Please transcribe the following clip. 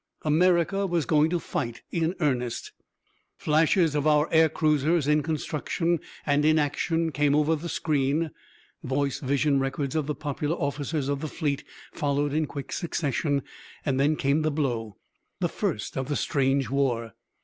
America was going to fight in earnest! Flashes of our air cruisers in construction and in action came over the screen; voice vision records of the popular officers of the fleet followed in quick succession. Then came the blow the first of the strange war.